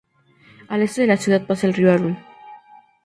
Al este de la ciudad pasa el Río Arun.